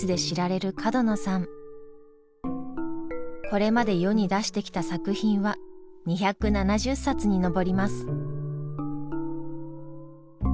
これまで世に出してきた作品は２７０冊に上ります。